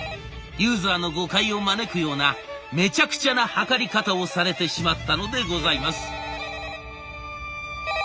ユーザーの誤解を招くようなめちゃくちゃな測り方をされてしまったのでございます。